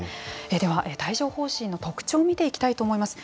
では帯状ほう疹の特徴を見ていきたいと思います。